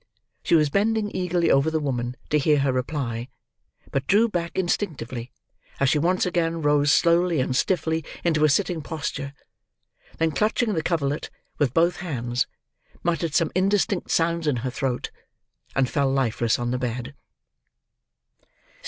She was bending eagerly over the woman to hear her reply; but drew back, instinctively, as she once again rose, slowly and stiffly, into a sitting posture; then, clutching the coverlid with both hands, muttered some indistinct sounds in her throat, and fell lifeless on the bed.